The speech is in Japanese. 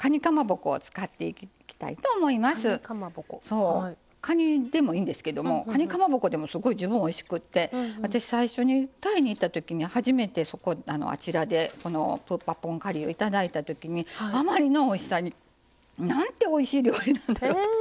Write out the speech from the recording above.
そうかにでもいいんですけどもかにかまぼこでもすごい十分おいしくて私最初にタイに行ったときに初めてあちらでこのプー・パット・ポン・カリーをいただいたときにあまりのおいしさになんておいしい料理なんだと。